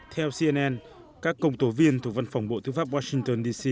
theo cnn các công tố viên thuộc văn phòng bộ tư pháp washington d c